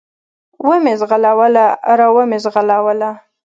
و مې زغلوله، را ومې زغلوله.